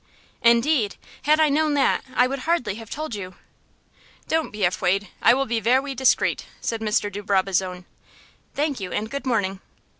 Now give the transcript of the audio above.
"Indeed! Had I known that I would hardly have told you." "Don't be afwaid! I will be vewy discreet," said Mr. de Brabazon. "Thank you, and good morning."